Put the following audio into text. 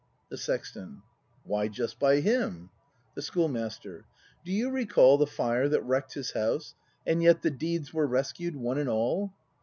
The Sexton. Why just by him ? The Schoolmaster. Do you recall The fire that wreck'd his house, and yet The deeds were rescued, one and all?